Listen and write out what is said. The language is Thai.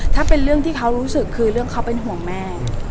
ถ้าเป็นเรื่องที่เขารู้สึกคือเรื่องเขาเป็นห่วงแม่